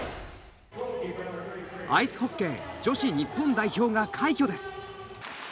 アイスホッケー女子日本代表が快挙です！